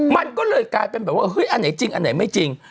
มันก็เลยกลายเป็นแบบว่าเฮ้ยอันไหนจริงอันไหนไม่จริง